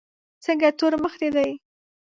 څنګه تور مخ دي دی.